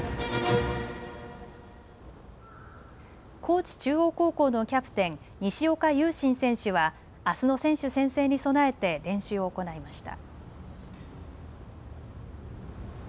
高知中央高校のキャプテン、西岡悠慎選手はあすの選手宣誓に備えて練習を行いました。